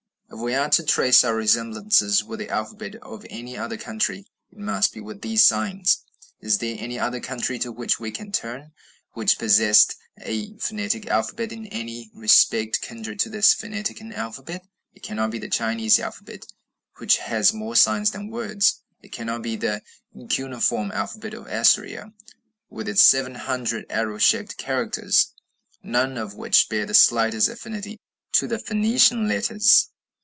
If we are to trace out resemblances with the alphabet of any other country, it must be with these signs. Is there any other country to which we can turn which possessed a phonetic alphabet in any respect kindred to this Phoenician alphabet? It cannot be the Chinese alphabet, which has more signs than words; it cannot be the cuneiform alphabet of Assyria, with its seven hundred arrow shaped characters, none of which bear the slightest affinity to the Phoenician letters.